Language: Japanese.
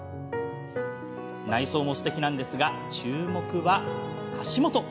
内装もすてきなんですが注目は足元。